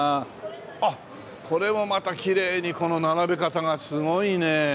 あっこれはまたきれいにこの並べ方がすごいねえ。